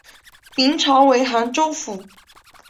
明朝为杭州府。